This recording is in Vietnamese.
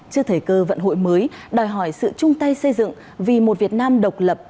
trước thời cơ vận hội mới đòi hỏi sự chung tay xây dựng vì một việt nam độc lập